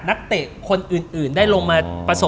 นักเตะคนอื่นได้ลงมา